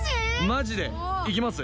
マジでいきます